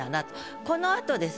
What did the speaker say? このあとです。